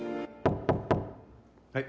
はい。